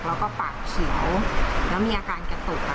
แล้วก็ปากเขียวแล้วมีอาการกระตุก